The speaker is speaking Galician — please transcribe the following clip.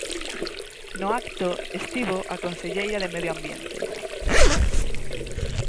No acto estivo a conselleira de Medio Ambiente.